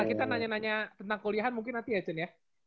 kita nanya nanya tentang kuliahan mungkin nanti ya cen ya